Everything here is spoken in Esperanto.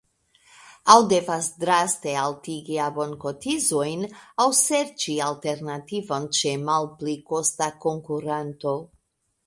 Aŭ devas draste altigi abonkotizojn aŭ serĉi alternativon ĉe malpli kosta konkuranto.